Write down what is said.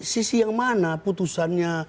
sisi yang mana putusannya